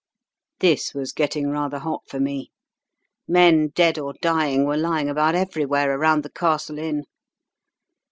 "This was getting rather hot for me. Men dead or dying were lying about everywhere around the Castle Inn.